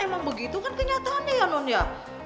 emang begitu kan kenyataannya ya non ya